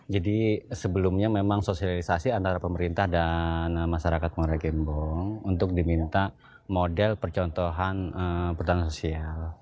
jadi sebelumnya memang sosialisasi antara pemerintah dan masyarakat muara gembong untuk diminta model percontohan pertanian sosial